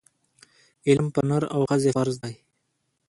علم پر نر او ښځي فرض دی